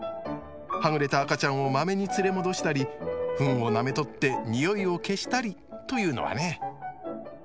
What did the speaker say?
はぐれた赤ちゃんをまめに連れ戻したりフンをなめとってニオイを消したりというのはね。